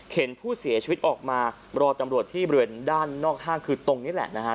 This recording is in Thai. ผู้เสียชีวิตออกมารอตำรวจที่บริเวณด้านนอกห้างคือตรงนี้แหละนะฮะ